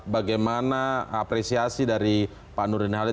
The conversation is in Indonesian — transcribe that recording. bagaimana apresiasi dari pak nurdin halid